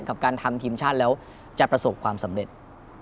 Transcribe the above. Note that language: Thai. กับการทำทีมชาติแล้วจะประสบความสำเร็จ